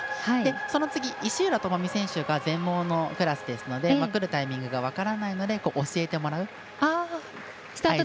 その次、石浦智美選手が全盲のクラスですので来るタイミングが分からないので教えてもらう。